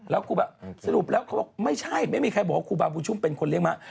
แล้วครูบาสรุปแล้วเขาบอกไม่ใช่ไม่มีใครบอกว่าครูบาบุญชุมเป็นคนเลี้ยม้า